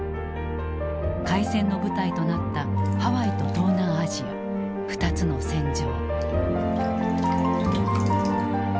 開戦の舞台となったハワイと東南アジア２つの戦場。